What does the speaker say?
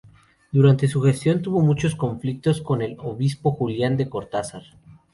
Durante su gestión tuvo muchos conflictos con el obispo Julián de Cortázar.